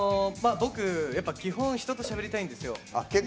僕、基本、人としゃべりたいんですよ。